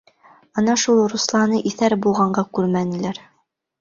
Ана шул Русланы иҫәр булғанға күрмәнеләр.